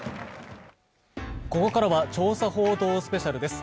ここからは調査報道スペシャルです。